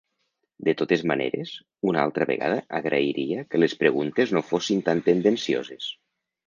De totes maneres, una altra vegada agrairia que les preguntes no fossin tan tendencioses.